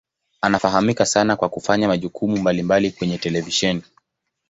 Anafahamika sana kwa kufanya majukumu mbalimbali kwenye televisheni.